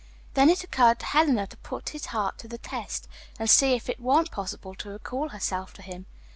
Then it occurred to Helena to put his heart to the test and to see if it weren't possible to recall herself to him.